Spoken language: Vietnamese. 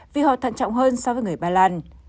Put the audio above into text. vì họ thận trọng hơn so với người ba lan